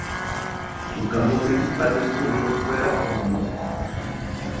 Su campo principal de estudio fue la ósmosis.